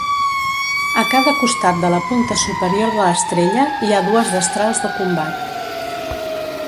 A cada costat de la punta superior de l'estrella hi ha dues destrals de combat.